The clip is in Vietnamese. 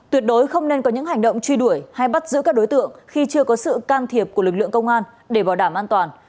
tuyệt đối không nên có những hành động truy đuổi hay bắt giữ các đối tượng khi chưa có sự can thiệp của lực lượng công an để bảo đảm an toàn